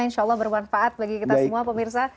insya allah bermanfaat bagi kita semua pemirsa